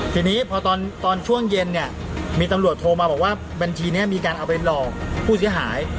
ทีนี้พอตอนช่วงเย็นเนี่ยมีตำรวจโทรมาบอกว่าบัญชีนี้มีการเอาไปหลอกผู้เสียหาย